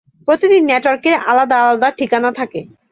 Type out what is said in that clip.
প্রতিটি নেটওয়ার্কের আলাদা আলাদা ঠিকানা থাকে।